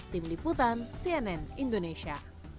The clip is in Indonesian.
tim liputan cnn indonesia